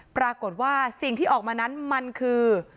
ปรากฏว่าสิ่งที่ออกมานั้นมันคือ